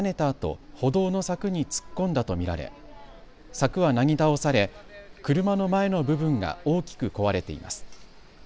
あと歩道の柵に突っ込んだと見られ柵はなぎ倒され車の前の部分が大きく壊れています。